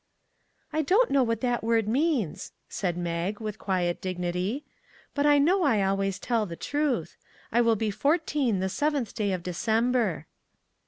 " I don't know what that word means," said Mag, with quiet dignity ;" but I know I al ways tell the truth. I will be fourteen the seventh day of December."